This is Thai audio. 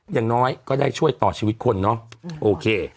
อย่างน้อยก็ได้ช่วยต่อชีวิตคนเนอะโอเค